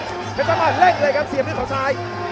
ท่านโทรศาสตร์ปากให้แล่งเลยนะครับเสียบมือของสาย